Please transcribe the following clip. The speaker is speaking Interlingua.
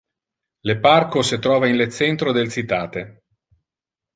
Le parco se trova in le centro del citate.